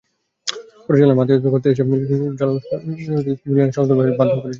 পরে জানলাম, আতিথেয়তা করতে করতে জানলাম জুলিয়াসের সহধর্মিণী হাসপাতালে যেতে বাধ্য হয়েছিলেন।